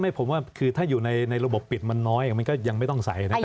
ผมว่าคือถ้าอยู่ในระบบปิดมันน้อยมันก็ยังไม่ต้องใส่นะครับ